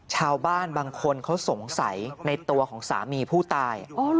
ชาวบ้านบางคนเขาสงสัยในตัวของสามีผู้ตาย